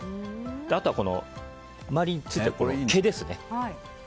あとは周りについた毛ですね。